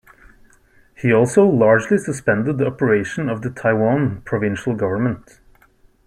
He also largely suspended the operation of the Taiwan Provincial Government.